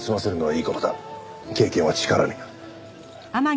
経験は力になる。